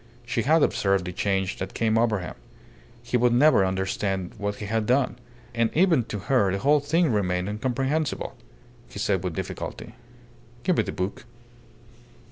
She had observed the change that came over him. He would never understand what he had done; and even to her the whole thing remained incomprehensible. He said with difficulty "Give me the book."